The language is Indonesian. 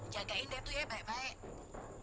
jagain deh tuh ya baik baik